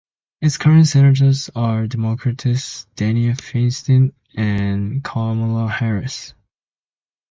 Its current Senators are Democrats Dianne Feinstein and Kamala Harris.